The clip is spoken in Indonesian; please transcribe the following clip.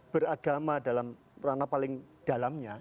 beragama dalam ranah paling dalamnya